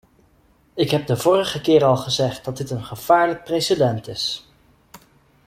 Ik heb de vorige keer al gezegd dat dit een gevaarlijk precedent is!